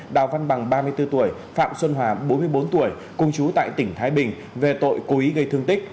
đào văn bằng ba mươi bốn tuổi phạm xuân hòa bốn mươi bốn tuổi cùng chú tại tỉnh thái bình về tội cố ý gây thương tích